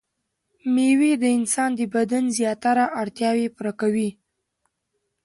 مېوې د انسان د بدن زياتره اړتياوې پوره کوي.